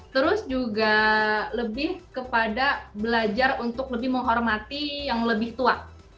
terus juga lebih kepada belajar untuk lebih menghormati yang lebih tua